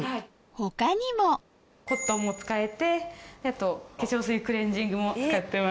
他にもコットンも使えて化粧水クレンジングも使ってます。